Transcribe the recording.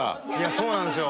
そうなんですよ。